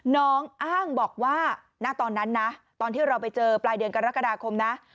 น้องอ้างบอกว่าณตอนนั้นนะตอนที่เราไปเจอปลายเดือนกรกฎาคมนะ